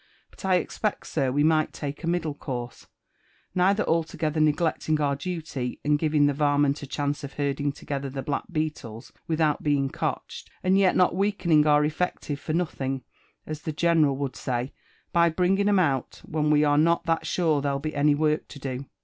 But I expect, sir, we might take a middle course — neither altogether neglecting our duty and giving the varment a chance of herding together, the black beetles, without being cotched, and yet not weakening our effective for nothing, as the general would say, by bringing 'era out, when wd are not that ^ure there'll be any work to do.